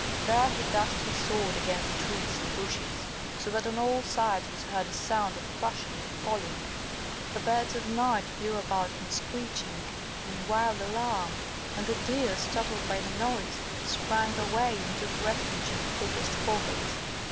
There he dashed his sword against the trees and bushes, so that on all sides was heard a sound of crashing and falling. The birds of night flew about him screeching in wild alarm; and the deer, startled by the noise, sprang away and took refuge in the thickest coverts.